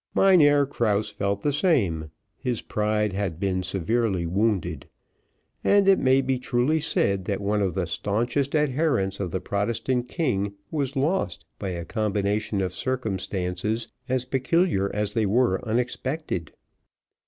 Mynheer Krause felt the same, his pride had been severely wounded; and it may be truly said, that one of the staunchest adherents of the Protestant king was lost by a combination of circumstances as peculiar as they were unexpected.